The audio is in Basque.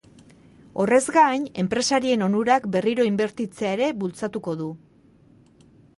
Horrez gain, enpresarien onurak berriro inbertitzea ere bultzatuko du.